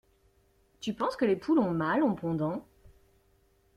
Tu penses que les poules ont mal en pondant?